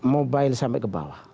mobile sampai ke bawah